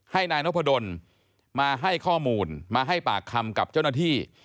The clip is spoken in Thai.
ให้นายนพดลมาให้ข้อมูลมาให้ปากคำกับเจ้าหน้าที่